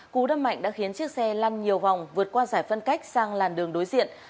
cú đâm mạnh đã khiến chiếc xe lăn nhiều vòng vượt qua giải phân cách sang làn đường đối diện